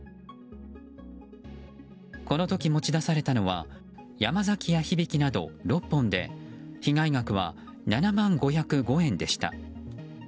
この時、持ち出されたのは「山崎」や「響」など６本で被害額は、７万５０５円でした。